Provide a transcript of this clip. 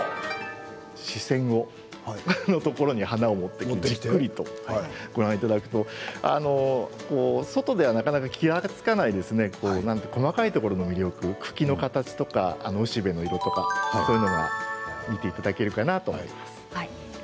視線のところに花を持ってきてご覧いただくと外ではなかなか気が付かない細かいところの魅力、茎の形とか雄しべの形とか見ていただけるかなと思います。